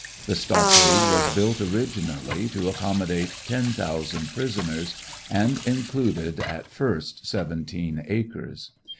The stockade was built originally to accommodate ten thousand prisoners, and included at first seventeen acres.